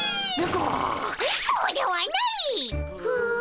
そうではないっ！